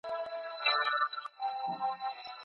په قلم خط لیکل د ټولني د پرمختګ څرخ ګرځوي.